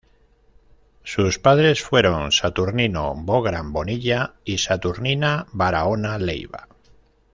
Sus padres fueron Saturnino Bográn Bonilla y Saturnina Barahona Leiva.